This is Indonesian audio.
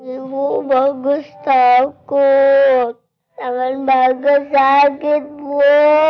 ibu bagus takut sama bagus sakit bu